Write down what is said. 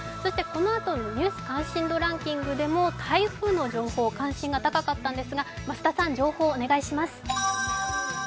このあとのニュース関心度ランキングでも台風の情報、関心が高かったんですが増田さん、情報をお願いします。